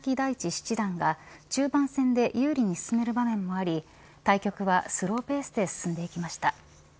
七段が中盤戦で有利に進める場面もあり対局はスローペースで進んでいきました。